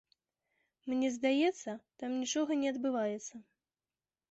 Мне здаецца, там нічога не адбываецца.